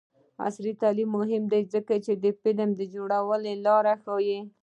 عصري تعلیم مهم دی ځکه چې د فلم جوړولو لارې ښيي.